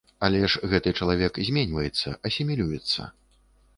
Але ж гэты чалавек зменьваецца, асімілюецца.